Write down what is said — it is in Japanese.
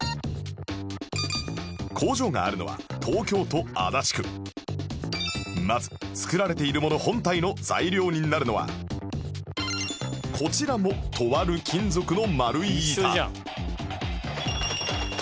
工場があるのはまず作られているもの本体の材料になるのはこちらもとある金属の丸い板一緒じゃん。